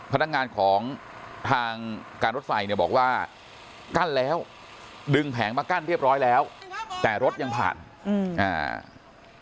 พนักงานของทางการรถไฟเนี่ยบอกว่ากั้นแล้วดึงแผงมากั้นเรียบร้อยแล้วแต่รถยังผ่านอืมอ่า